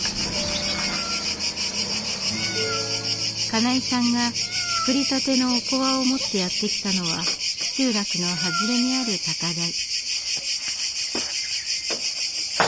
金井さんが作りたてのおこわを持ってやって来たのは集落の外れにある高台。